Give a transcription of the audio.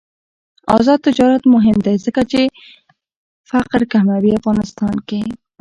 آزاد تجارت مهم دی ځکه چې فقر کموي افغانستان کې.